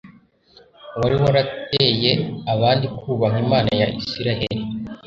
uwari warateye abandi kubaha imana ya isirayeli